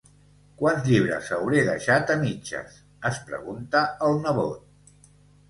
¿Quants llibres hauré deixat a mitges?, es pregunta el nebot.